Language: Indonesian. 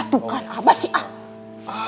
ah tuh kan abah sih ah